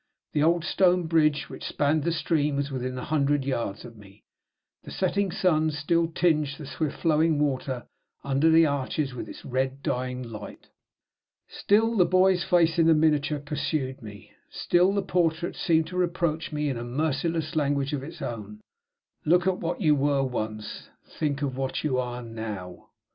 The old stone bridge which spanned the stream was within a hundred yards of me; the setting sun still tinged the swift flowing water under the arches with its red and dying light. Still the boy's face in the miniature pursued me. Still the portrait seemed to reproach me in a merciless language of its own: "Look at what you were once; think of what you are now!"